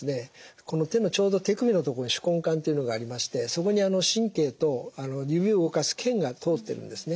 この手のちょうど手首の所手根管というのがありましてそこに神経と指を動かす腱が通ってるんですね。